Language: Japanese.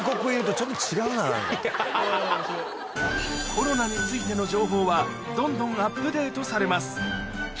コロナについての情報はどんどんアップデートされます